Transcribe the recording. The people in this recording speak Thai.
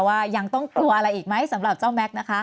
ว่ายังต้องกลัวอะไรอีกไหมสำหรับเจ้าแม็กซ์นะคะ